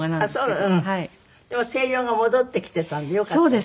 でも声量が戻ってきてたんでよかったですね。